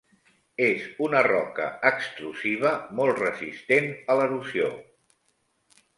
És una roca extrusiva molt resistent a l'erosió.